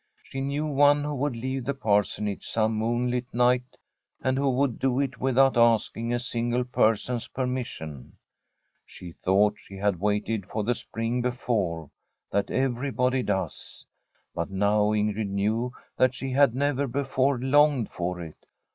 She knew one who would leave the Parsonage some moon light night, and who would do it without asking a single person's permission. She thought she had waited for the spring be fore. That everybody does. But now Ingrid knew that she had never before longed for it.